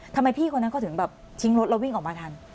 ทำไมพี่คนนั้นก็ถึงแบบทิ้งรถแล้ววิ่งออกมาทัน